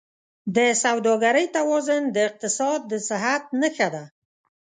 د سوداګرۍ توازن د اقتصاد د صحت نښه ده.